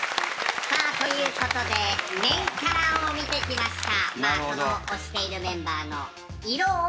さあということでメンカラを見てきました。